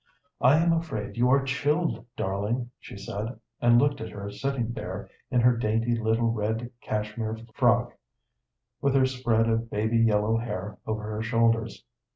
"I am afraid you are chilled, darling," she said, and looked at her sitting there in her dainty little red cashmere frock, with her spread of baby yellow hair over her shoulders.